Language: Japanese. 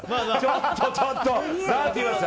ちょっとちょっと！